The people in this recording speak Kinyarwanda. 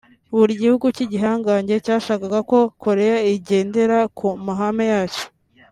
buri gihugu cy’igihangange cyashakaga ko Korea igendera ku mahame yacyo